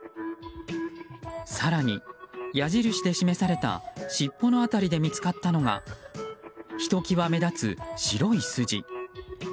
更に、矢印で示された尻尾の辺りで見つかったのはひと際目立つ白い筋。